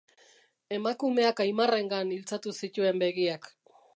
Emakumeak Aimarrengan iltzatu zituen begiak.